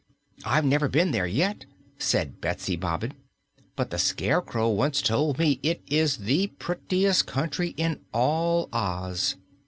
"I've never been there yet," said Betsy Bobbin, "but the Scarecrow once told me it is the prettiest country in all Oz."